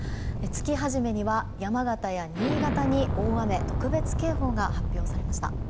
月初めには山形や新潟に大雨特別警報が発表されました。